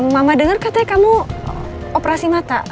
mama dengar katanya kamu operasi mata